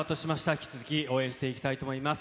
引き続き応援していきたいと思います。